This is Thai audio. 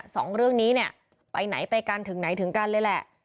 สองเรื่องนี้เนี่ยไปไหนไปกันถึงไหนถึงกันเลยแหละ